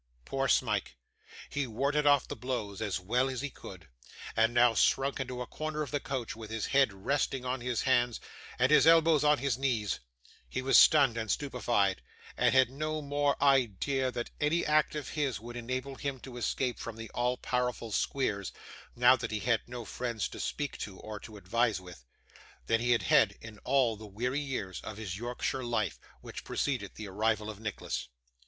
Poor Smike! He warded off the blows, as well as he could, and now shrunk into a corner of the coach, with his head resting on his hands, and his elbows on his knees; he was stunned and stupefied, and had no more idea that any act of his, would enable him to escape from the all powerful Squeers, now that he had no friend to speak to or to advise with, than he had had in all the weary years of his Yorkshire life which preceded the arrival of Nicholas.